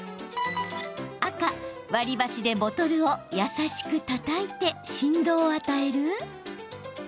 赤・割り箸でボトルを優しくたたいて振動を与える？